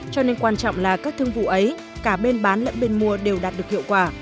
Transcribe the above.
cho nên quan trọng là các thương vụ ấy cả bên bán lẫn bên mua đều đạt được hiệu quả